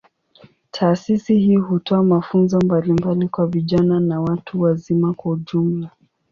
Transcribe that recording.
Taasisi hii hutoa mafunzo mbalimbali kwa vijana na watu wazima kwa ujumla.